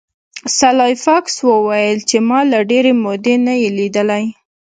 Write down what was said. سلای فاکس وویل چې ما له ډیرې مودې نه یې لیدلی